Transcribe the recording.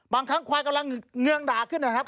บางครั้งควายกำลังเงืองด่าขึ้นนะครับ